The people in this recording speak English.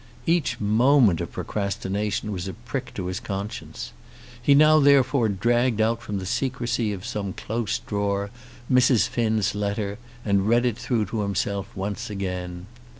Each moment of procrastination was a prick to his conscience. He now therefore dragged out from the secrecy of some close drawer Mrs. Finn's letter and read it through to himself once again.